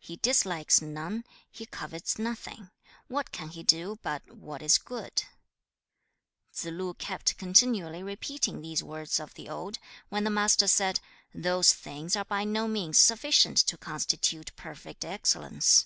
2. '"He dislikes none, he covets nothing; what can he do but what is good!"' 3. Tsze lu kept continually repeating these words of the ode, when the Master said, 'Those things are by no means sufficient to constitute (perfect) excellence.'